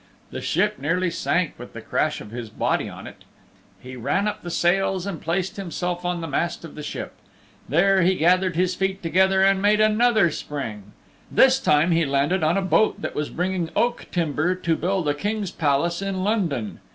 The ship nearly sank with the crash of his body on it. He ran up the sails and placed himself on the mast of the ship. There he gathered his feet together and made another spring. This time he landed on a boat that was bringing oak timber to build a King's Palace in London.